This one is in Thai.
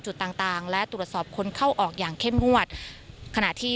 ต่างต่างและตรวจสอบคนเข้าออกอย่างเข้มงวดขณะที่